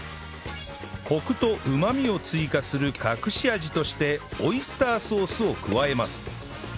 コクとうまみを追加する隠し味としてオイスターソースを加えます